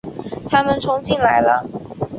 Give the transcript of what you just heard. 他们冲进来了